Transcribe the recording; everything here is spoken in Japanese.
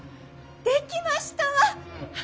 ・できましたわ！